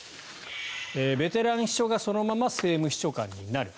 ベテラン秘書がそのまま政務秘書官になる。